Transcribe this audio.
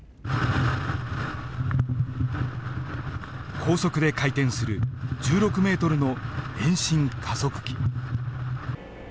高速で回転する１６ｍの遠心加速機。